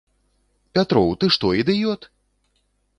Пятроў, ты што, ідыёт?